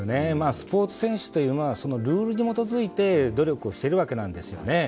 スポーツ選手というものはルールに基づいて努力をしているわけです。